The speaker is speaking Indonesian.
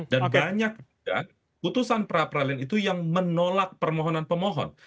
dan banyak putusan pra peradilan itu yang menolak permohonan pemohon